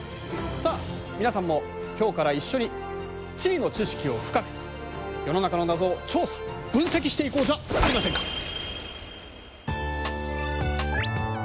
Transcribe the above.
さあ皆さんも今日から一緒に地理の知識を深め世の中の謎を調査・分析していこうじゃありませんか！